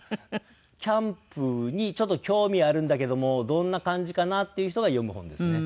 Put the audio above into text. キャンプにちょっと興味あるんだけどもどんな感じかな？っていう人が読む本ですね。